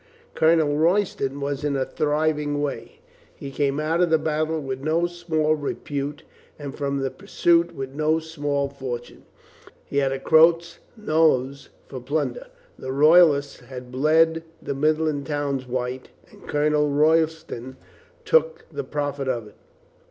Colonel Royston was in a thriving way. He came out of the battle with no small repute and from the pursuit with no small fortune. He had a Croat's nose for plunder. The Royalists had bled the mid land towns white, and Colonel Royston took the profit of it.